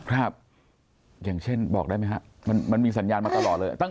ครับอย่างเช่นบอกได้ไหมฮะมันมันมีสัญญาณมาตลอดเลย